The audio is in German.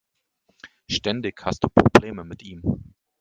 Ständig hast du Probleme mit ihm.